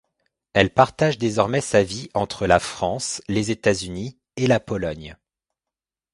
Elle partage désormais sa vie entre la France, les États-Unis et la Pologne.